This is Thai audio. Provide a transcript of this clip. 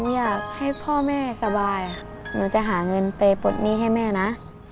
อยากให้พ่อแม่สบายหนูจะหาเงินไปปลดหนี้ให้แม่นะ